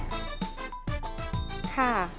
ค่ะ